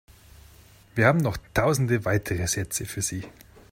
Wir haben noch tausende weitere Sätze für Sie.